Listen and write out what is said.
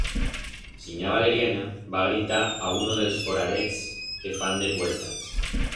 Sinya Valeriana, va gritar a uno d'els foradets que fan de puerta.